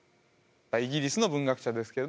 イギリスの文学者ですけれども。